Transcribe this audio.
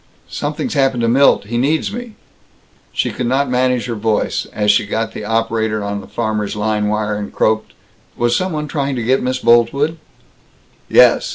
"Something's happened to Milt. He needs me!" She could not manage her voice, as she got the operator on the farmers' line wire, and croaked, "Was some one trying to get Miss Boltwood?" "Yes.